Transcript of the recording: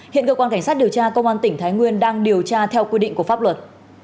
hiện cơ quan cảnh sát điều tra công an tỉnh thái nguyên đang điều tra theo quy định của pháp luật